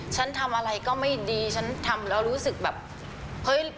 ฉันทำอะไรก็ไม่ดีฉันทำแล้วรู้สึกแบบเฮ้ย